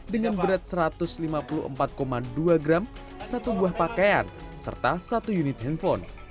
dengan berat satu ratus lima puluh empat dua gram satu buah pakaian serta satu unit handphone